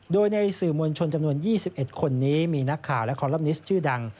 โดยในสื่อมวลชนจำนวน๒๑คนนี้มีนักข่าวและคอลลัมนิสต์ชื่อดัง